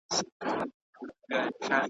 هر موسم یې ګل سرخ کې هر خزان ورته بهار کې .